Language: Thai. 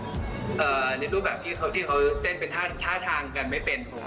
เรียกดูแบบที่เขาเต้นเป็นท่าทางกันไม่เป็น